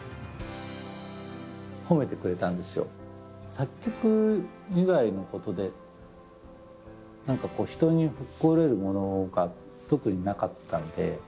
作曲以外のことで何かひとに誇れるものが特になかったんで。